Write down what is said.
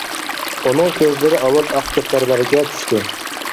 ئۇنىڭ كۆزلىرى ئاۋۋال ئاق كەپتەرلەرگە چۈشتى.